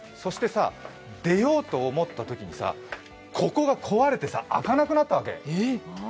そしてさ、出ようと思ったときにここが壊れてさ、開かなくなったわけ。